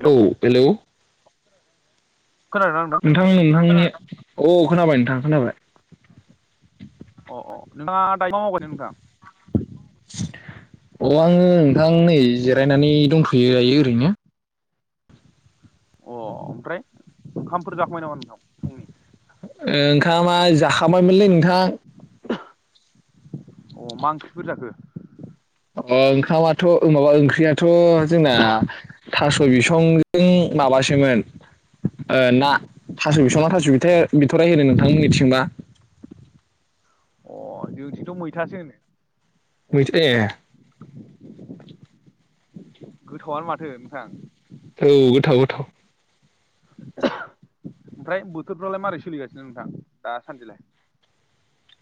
Hello औ hello खोनादोंना [unintelligible] नोंथां नोंथांनि औ खोनाबाय नोंथां खोनाबाय। अ अ नोंथाङा दायो [unintelligible] माव [unintelligible] नोंथां? अ आङो नोंथां नै जिरायनानै दंथ'यो दायो ओरैनो। अ ओमफ्राय ओंखामफोर जाखांबाय नामा नोंथां फुंनि? ओंखामा जाखांबायमोनलै नोंथां। अ मा ओंख्रिफोर जाखो? अ ओंखामाथ' माबा ओंख्रियाथ' जोंना थास' बिसंजों माबासोमोन ना थास' बिसं ना थास' बिथ'-बिथ'राय होनो नोंथांमोननिथिंबा? अ जोंथिंथ' मैथासो होनो। मैथा ए। गोथावानो माथो नोंथां। औ गोथाव गोथाव। ओमफ्राय बोथोरफ्रालाय मारै सोलिगासिनो नोंथां दासानदिलाय?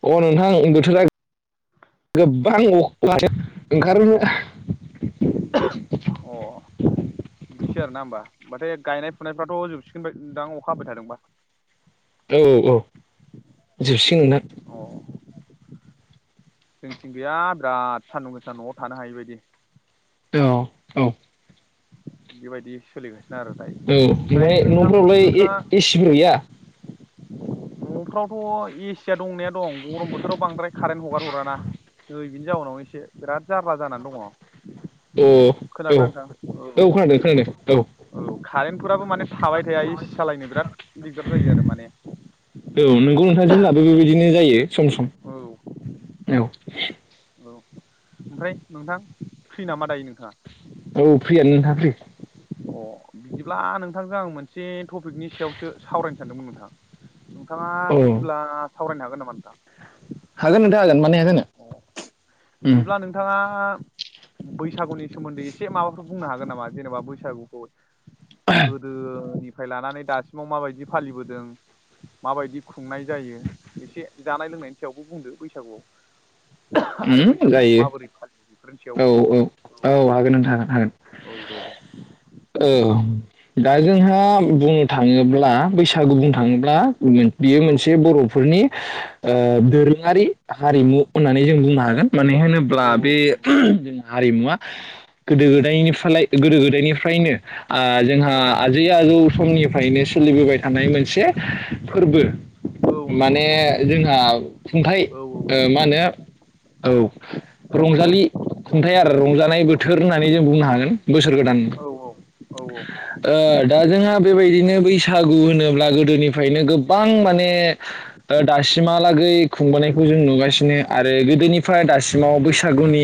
अ नोंथां बोथोरा गोबां अखा ओंखारनो अ बिदिसो आर ना होमबा माथो गायनाय फुनायफ्राथ' जोबसिगोनबाय दां अखा हाबाय थाबा औ औ औ जोबसिगोन नोंथां औ जोंथिं गैया दा सान्दुं गोसा न'आव थानो हायि बायदि। औ औ बेबायदि सोलिगासिनो आरो दायो औ ओमफ्राय नोंथां न'फोरावलाय नोंथाङा [unintelligible] न'फ्रावथ' एसिया दंनाया दं गरम बोथोराव बांद्राय कारेन्ट हगार हराना नै बिनि जाउनाव एसे बिराद जार्ला जानानै दङ। अ औ खोनादोंना नोंथां औ औ खोनादों खोनादों औ कारेन्टफोराबो माने थाबाय थाया एसि सालायनो बिराद दिगदार जायो आरो माने औ नोंगौ नोंथां जोंनाबो बेबायदिनो जायो सम औ सम औ औ ओमफ्राय नोंथां फ्रि नामा दायो नोंथाङा औ फ्रियानो नोंथा फ्रि अ बिदिब्ला नोंथांजों आं मोनसे टपिकनि सायावसो सावरायनो सानदोंमोन नोंथां नोंथाङा औ फ्रिब्ला सावरायनो हागोन नामा नोंथां हागोन नोंथां हागोन मानो हाया जानो अ उम बिदिब्ला नोंथाङा बैसागुनि सोमोन्दै एसे माबाफोर बुंनो हागोन नामा जेनेबा बैसागुखौ गोदोनिफ्राय लानानै दासिमाव माबायदि फालिबोदों माबायदि खुंनाय जायो एसे जानाय लोंनायनि सायावबो बुंदो बैसागुआव आरो उम बैसागुखौ जायो माबोरै फालियो बेफोरनि औ सायावबो औ औ हागोन नोंथां हागोन हागोन। औ [inaudible] औ दा जोंहा बुंनो थाङोब्ला बैसागु बुंनो थाङोब्ला बियो औ मोनसे बर'फोरनि ओ दोरोङारि हारिमु होननानै जों बुंनो हागोन मानो औ होनोब्ला बे नंगौ नंगौ हारिमुवा गोदो गोदायनिफ्राय गोदो गोदायनिफ्रायनो आ जोंहा औ जि आजौ समनिफ्रायनो सोलिबोबाय थानाय मोनसे फोरबो औ नंगौ माने नंगौ जोंहा खुंथायाइ औ ओ मा होनो औ रंजालि खुंथाय आरो रंजानाय बोथोर होननानै जों बुंनो हागोन बोसोर गोदान औ औ ओ दा जोंहा बेबायदिनो बैसागु होनोब्ला गोदोनिफ्रायनो गोबां माने ओ दासिमा लागै खुंबोनायखौ जों नुगासिनो आरो गोदोनिफ्राय दासिमाव बैसागुनि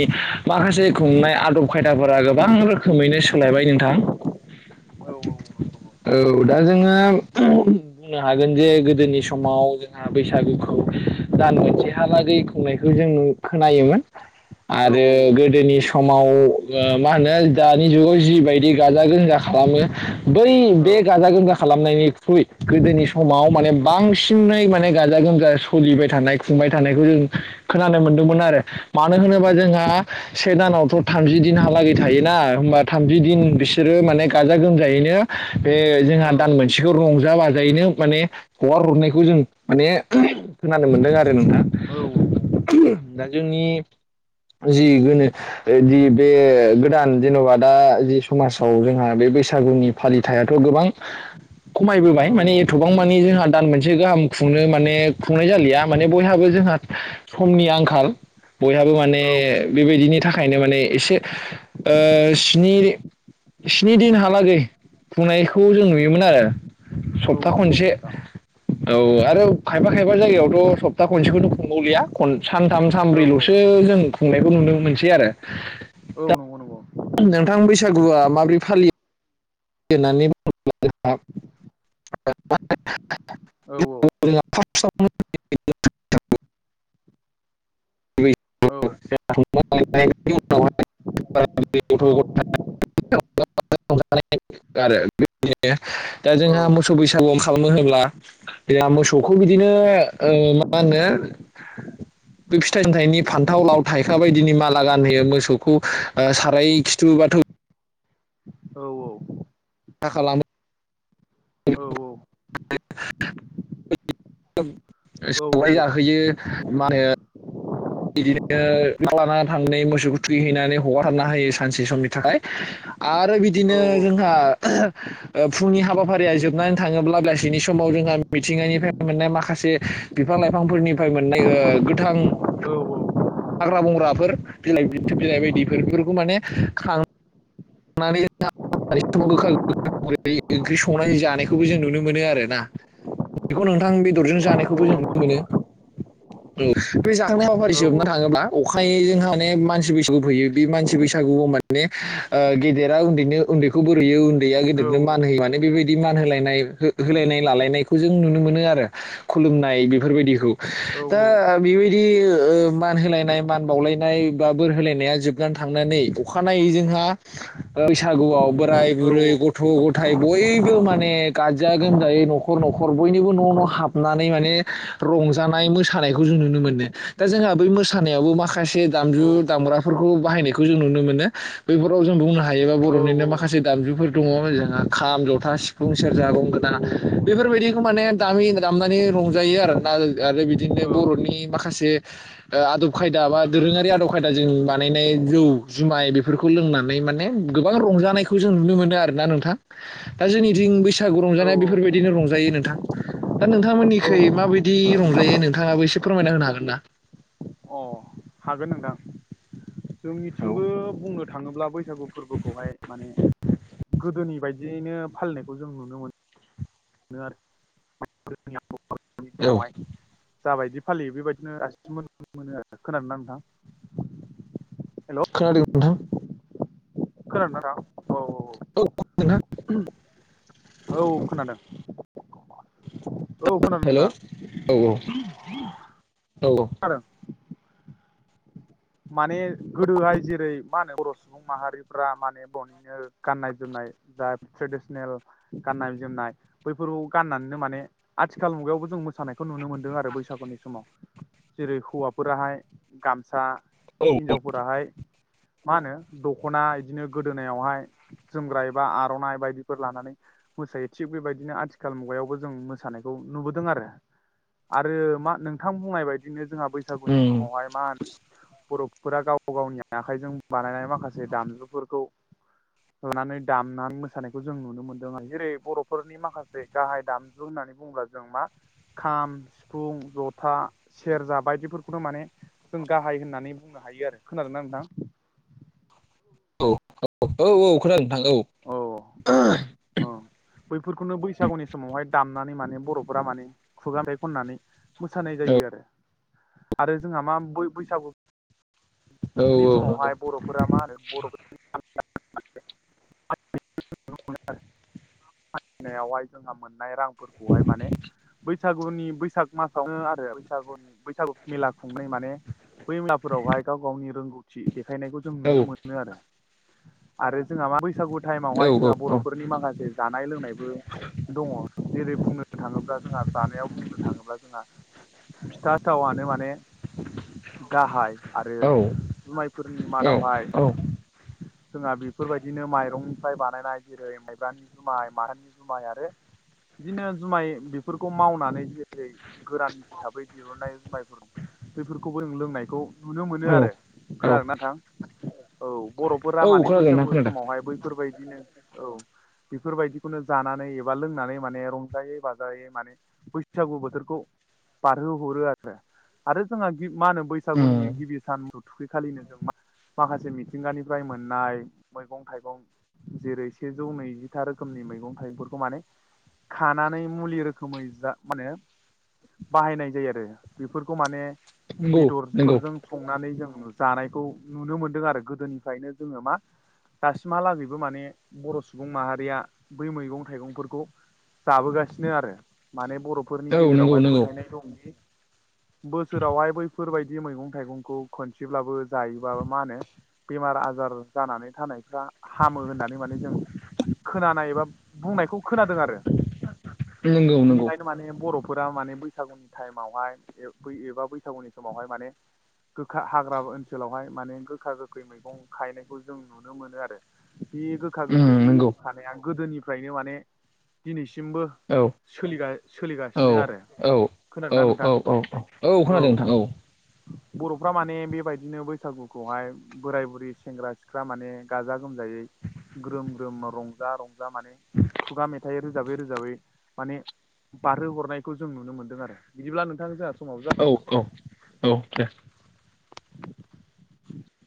माखासे खुंनाय आदब खायदाफोरा गोबां रोखोमैनो सोलायबाय नोंथां औ औ औ दा जोङो बुंनो हागोन जे गोदोनि समाव जोंहा बैसागुखौ दान मोनसेहालागै खुंनायखौ जों खोनायोमोन [inaudible] आरो औ गोदोनि समाव ओ मा होनो दानि जुगाव जि बायदि गाजा गोमजा खालामो बै औ नंगौ बे गाजा गोमजा खालामनायनिख्रुइ गोदोनि समाव माने बांसिनै माने गाजा गोमजा सोलिबाय थानाय खुंबाय थानायखौ जों खोनानाय मोनदोंमोन आरो मानो होनोबा जोंहा से दानावथ' थामजि दिनहालागै थायोना होमबा थामजि दिन बेसे बिसोरो माने गाजा गोमजायैनो बे जोंहा दान मोनसेखौ रंजा बाजायैनो माने हगार हरनायखौ जों माने खोनानो मोनदों आरो नोंथां दा जोंनि जि गोनो जि बे गोदान जेन'बा दा जि समाज जोंहा बे बैसागुनि फालिथायाथ' गोबां खमायबोबाय माने एथ'बां मानिे जोंहा दान मोनसे गाहाम खुंनो माने खुंनाय जालिया माने बयहाबो जोंहा समनि आंखाल बयहाबो माने बेबायदिनि थाखायनो माने एसे स्नि स्नि दिनहालागै बुंनायखौ जों नुयोमोन आरो औ सप्ता नंगौ नंगौ खनसे नोंथां औ आरो खायफा खायफा जायगायावथ' सप्ता खनसेखौनो खनबावलिया खन सानथाम औ सानब्रैल'सो जों खुंनायखौ नुनो मोनसै आरो औ नंगौ नंगौ नोंथां बैसागुआ माबोरै फालियो [unintelligible] औ औ फार्स्टआव नायनि उनावहाय [unintelligible] आरो बेदिनो दा जोंहा मोसौ बैसागुआव खालामो होनोब्ला बेहा मोसौखौ बिदिनो मा होनो [unintelligible] बे फिथाइ सथाइनि फान्थाव लाव थाइखा बायदिनि माला गानहोयो मोसौखौ साराय खिथु बाथ' औ औ थाखा खालामो औ औ सौलाय जाहोयो मा होनो बिदिनो लाना थांनानै मोसौखौ थुखैहैनानै हगारथारना होयो सानसे समनि थाखाय आरो बिदिनो जोंहा फुंनि हाबाफारिया जोबनानै थाङोब्ला बेसिनि समाव जोंहा मिथिंगानिफ्राय मोननाय माखासे बिफां लाइफांफोरनिफ्राय मोननाय गोथां औ औ हाग्रा बंग्राफोर बिलाइथ बिलाइ बायदिफोरफोरखौ माने खा नानै समाव गोखा गो ओंख्रि संनाय जानायखौबो जों नुनो मोनो आरो ना बेखौ नोंथां बेदरजों जानायखौबो जों नुनो मोनो बे जाखांनाय हाबाफारि सोबना थाङोब्ला अखायजों माने मानसि बैसागु फैयो बे मानसि बैसागुआव माने गेदेरा उन्दैनो उन्दैखौ बोरैयो उन्दैया गेदेरनो मान होयो माने बेबायदि मान होलायनाय होलायनाय लालायनायखौ जों नुनो मोनो आरो खुलुमनाय बेफोरबायदिखौ दा बेबायदि मान होलायनाय मान बावलायनाय बा बोर होलायनाया जोबनानै थांनानै अखानायनायै जोंहा बैसागुआव बोराय बुरै गथ' गथायाइ बयबो माने गाजा गोमजायै न'खर न'खर न'खर बयनिबो न' न' हाबनानै माने रंजानाय मोसानायखौ जों नुनो मोनो दा जोंहा बै मोसानायावबो माखासे दामजु दामग्राफोरखौ बाहायनायखौ जों नुनो मोनो बेफोर बराव जों बुंनो हायोबा बर'निनो माखासे दामजुफोर दङ जोंहा खाम जथा सिफुं सेरजा गं गोनां बेफोरबायदिखौ माने दामि दामनानै रंजायो आरोना आरो बिदिनो बर'नि माखासे आदब खायदा बा दोरोङारि आदब खायदाजों बानायनाय जौ जुमाय बेफोरखौ लोंनानै माने गोबां रंजानायखौ जों नुनो मोनदों आरोना नोंथां दा जोंनिथिं बैसागु औ रंजानाय बेफोरबायदिनो रंजायो नोंथां दा नोंथांमोननिखै औ माबायदि रंजायो नोंथाङाबो एसे फोरमायना होनो हागोन ना अ हागोन नोंथां औ जोंनिथिंबो बुंनो थाङोब्ला बैसागु फोरबोखौहाय माने गोदोनि बायदियैनो फालिनायखौ जों नुनो मोनो [unintelligible] औ नावहाय जाबायदि फालियो बेबायदिनो [unintelligible] मोनो आरो खोनादों ना नोंथां? खोनादों नोंथां। खोनादों ना औ नोथां नोंथां औ औ औ खोनादों। औ खोनादों हेलौ नोंथां औ औ औ औ [unintelligible] माने गोदोहाय जेरै मा होनो बर'सु सुबुं माहारिफ्रा माने बहायनो गाननाय जोमनाय जा ट्रेडिसनेल गाननाय जोमनाय बैफोरखौ गाननानैनो माने आथिखाल मुगायावबो जों मोसानाय खौ नुनो मोन्दों आरो बैसागुनि समाव जेरै हौवाफोराहाय गामसा औ हिनजावफोराहाय मा होनो दख'ना इदिनो गोदोनायाव हाय जोमग्रा एबा आर'नाइ बायदिफोर लानानै मोसायो थिग बेबायदिनो आथिखाल मुगायावबो जों मोसानायखौ नुबोदों आरो आरो मा नोंथां बुंनाय बायदिनो जोंहा बैसागुनि उम समावहाय मा होन बर'फोरा गाव गावनि आखाइजों बानायनाय माखासे दामजुफोरखौ लानानै दामनानै मोसानायखौ जों नुनो मोनदों [unintelligible] जेरै बर'फोरनि माखासे गाहाय दामजु होननानै बुङोब्ला जों मा खाम, सिफुं, जथा, सेरजा बायदिफोरखौनो माने जों गाहाय होननानै बुंनो हायो आरो खोनादों ना नोंथां? औ औ औ खोनादों नोंथां औ औ औ अ बैफोरखौनो बैसागुनि समावहाय दामनानै माने बर'फोरा माने खुगा [unintelligible] खननानै मोसानाय जायो आरो आरो जोंहा मा बै-बैसागु औ औ नि औ औ समावहाय बर'फोरा मा होनो बर'फोर [unintelligible] [unintelligible] जोंहा मोननाय रांफोरखौहाय माने बैसागुनि बैसाग मासावनो आरो बैसागुनि बैसागु मेला खुंनाय माने बै मेलाफोरावहाय गाव गावनि रोंगौथि देखायनायखौ जों नुनो मोनो आरो आरो जोंहा मा बैसागु टाइमावहाय जोंहा बर' फोरनि माखासे जानाय लोंनायबो दङ जेरै बुंनो थाङोब्ला जोंहा जानायाव बुं बुंनो थाङोब्ला जोंहा फिथा सिथावनो माने गाहाय आरो जुमायफोरनि मादावहाय औ जोंहा बेफोरबायदिनो माइरंनिफ्राय बानायनाय जेरै माइब्रानि जुमाय माथानि जुमाय आरो बिदिनो जुमाय बेफोरखौ मावनानै जेरै गोरान हिसाबै दिहुननाय जुमायफोर बेफोरखौबो जों लोंनायखौ नुनो मोनो आरो औ खोनादों ना नोंथां औ बर'फोरा औ माने खोनादों नोंथां बैसागु खोनादों समावहाय बैफोरबाय बिदिनो औ बेफोरबायदिखौनो जानानै एबा लोंनानै माने रंजायै बाजायै माने बैसागु बोथोरखौ बारहो हरो आरो आरो जोंहा गि मा होनो उम बैसागुनि गिबि सान [unintelligible] थुखैखालिनो जों मा माखासे मिथिंगानिफ्राय मोननाय मैगं थाइगं जेरै सेजौ नैजिथा रोखोमनि मैगं थाइगंफोरखौ माने खानानै मुलि रोखोमै जा माने बाहायनाय जायो आरो बेफोरखौ माने नंगौ नंगौ बेदरफोरजों संनानै जों जानायखौ नुनो मोनदों आरो गोदोनिफ्रायनो जोङो माव दासिमहालागैबो माने बर' सुबुं माहारिया बै मैगं थाइगंफोरखौ जाबोगासिनो आरो माने बर'फ फोरनि औ नंगौ गेजेरावहाय नंगौ फोथायनाय दंदि बोसोरावहाय बैफोरबायदि मैगं थाइगंखौ खनसेब्लाबो जायोब्ला मा होनो बेमार आजार जानानै थानायफ्रा हामो होननानै माने जों खोनानाय एबा बुंनायखौ खोनादों आरो। नंगौ नंगौ। बिनिखायनो माने बर'फोरा माने बैसागुनि टाइमावहाय एबा बैसागुनि समावहाय माने गोखा हाग्रा ओनसोलावहाय माने गोखा गोखै मैगं खाहैनायखौ जों नुनो मोनो आरो। बि गोखा गोखै उम नंगौ मैगं खानाया गोदोनिफ्रायनो माने दिनैसिमबो औ सोलिगा औ सोलिगासिनो आरो। औ औ खोनादोंना औ औ नोंथां औ औ खोनादों नोंथां औ। बर'फ्रा माने बेबायदिनो बैसागुखौहाय बोराय बुरै सेंग्रा सिख्ला माने गाजा गोमजायै ग्रोम ग्रोम रंजा रंजा माने खुगा मेथाइ रोजाबै रोजाबै माने बारहो हरनायखौ जों नुनो मोन्दों आरो बिदिब्ला नोंथां जोंहा समाबो औ जाबाय औ औ दे। [inaudible]